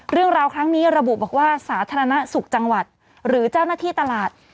เรื่องราวครั้งนี้ระบุบอกว่าสาธารณสุขจังหวัดหรือเจ้าหน้าที่ตลาด